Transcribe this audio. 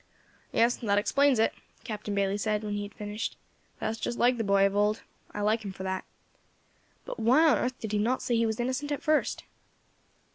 "Yes, that explains it," Captain Bayley said, when he had finished; "that's just like the boy of old. I like him for that. But why on earth did he not say he was innocent at first?"